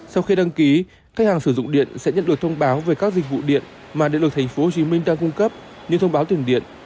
sau khi đăng ký khách hàng sử dụng điện sẽ nhận được thông báo về các dịch vụ điện mà điện lực tp hcm đang cung cấp như thông báo tiền điện